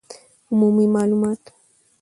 عمومي معلومات